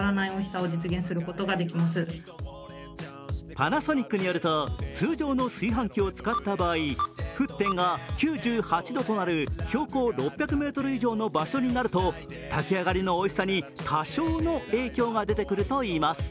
パナソニックによると通常の炊飯器を使った場合沸点が９８度となる標高６００ｍ以上の場所になると炊き上がりのおいしさに多少の影響が出てくるといいます。